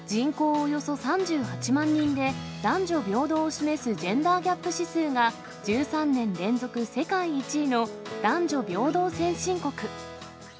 およそ３８万人で、男女平等を示すジェンダーギャップ指数が、１３年連続世界１位の男女平等先進国。